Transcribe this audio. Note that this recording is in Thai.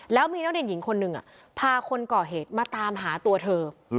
แล้วมีนักเรียนหญิงคนหนึ่งพาคนก่อเหตุมาตามหาตัวเธอ